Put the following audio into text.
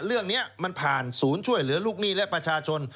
เรื่องนี้มันผ่านศูนย์ช่วยเหลือลูกหนี้และประชาชน